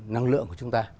năng lượng của chúng ta